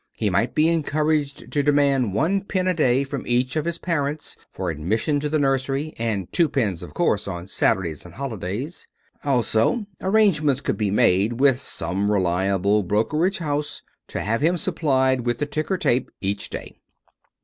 He might be encouraged to demand one pin a day from each of his parents for admission to the nursery and two pins, of course, on Saturdays and holidays. Also, arrangements could be made with some reliable brokerage house to have him supplied with the ticker tape each day.